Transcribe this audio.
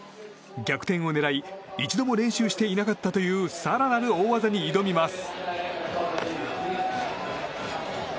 逆転を狙い一度も練習していなかったという更なる大技に挑みます。